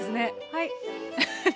はい。